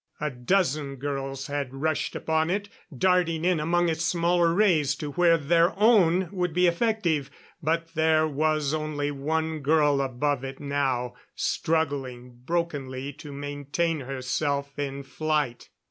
A dozen girls had rushed upon it, darting in among its smaller rays to where their own would be effective. But there was only one girl above it now, struggling brokenly to maintain herself in flight.